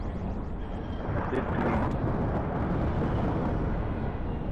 A te touii.